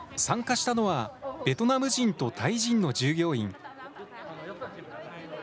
参加したのは、ベトナム人とタイ人の従業員。